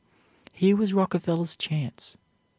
Here was Rockefeller's chance.